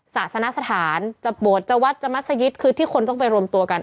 ศาสนสถานจะบวชจะวัดจะมัศยิตคือที่คนต้องไปรวมตัวกัน